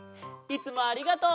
どうもありがとう！